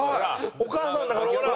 お母さんだからほら。